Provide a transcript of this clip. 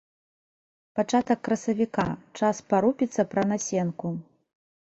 Пачатак красавіка, час парупіцца пра насенку.